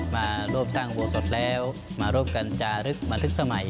มาร่วมสร้างอุโบสถแล้วมาร่วมกันจารึกบันทึกสมัย